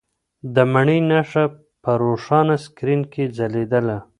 د مڼې نښه په روښانه سکرین کې ځلېدله.